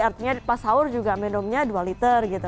artinya pas sahur juga minumnya dua liter gitu